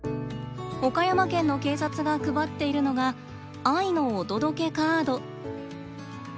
岡山県の警察が配っているのが「愛のお届けカード」。